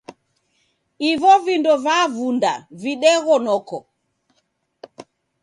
Ivo vindo vavunda videgho noko.